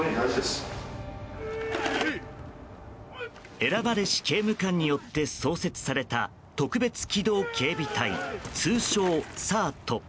選ばれし刑務官によって創設された特別機動警備隊通称ＳｅＲＴ。